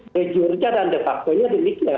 the jurja dan the faktornya demikian